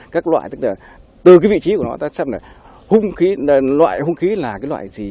các loại tức là từ cái vị trí của nó ta xem là hung khí loại hung khí là cái loại gì